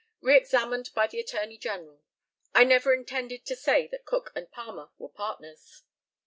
] Re examined by the ATTORNEY GENERAL: I never intended to say that Cook and Palmer were partners.